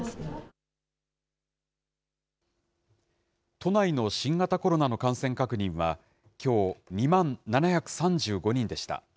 都内の新型コロナの感染確認はきょう、２万７３５人でした。